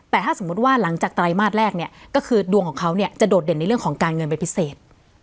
แต่ถ้าสมมุติว่าหลังจากไตรมาสแรกเนี่ยก็คือดวงของเขาเนี่ยจะโดดเด่นในเรื่องของการเงินเป็นพิเศษ